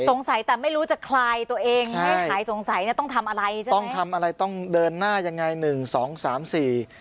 สงสัยแต่ไม่รู้จะคลายตัวเองให้หายสงสัยต้องทำอะไรใช่ไหมต้องทำอะไรต้องเดินหน้ายังไง๑๒๓๔